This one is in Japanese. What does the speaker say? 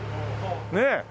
ねえ。